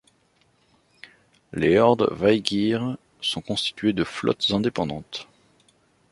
Les hordes vaygr sont constituées de flottes indépendantes.